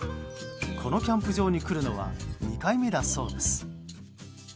このキャンプ場に来るのは２回目だそうです。